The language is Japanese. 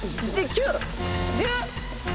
９！１０！